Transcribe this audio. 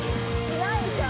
いないじゃん。